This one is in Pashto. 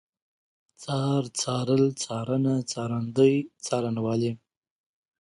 څار، څارل، څارنه، څارندوی، څارنوالي